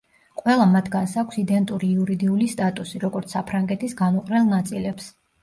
ყველა მათგანს აქვს იდენტური იურიდიული სტატუსი, როგორც საფრანგეთის განუყრელ ნაწილებს.